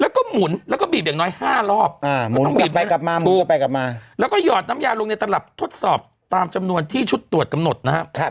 แล้วก็หมุนแล้วก็บีบอย่างน้อย๕รอบก็ต้องบีบไปกลับมาบูกลับไปกลับมาแล้วก็หยอดน้ำยาลงในตลับทดสอบตามจำนวนที่ชุดตรวจกำหนดนะครับ